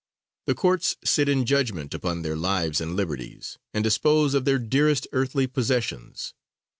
The courts sit in judgment upon their lives and liberties, and dispose of their dearest earthly possessions.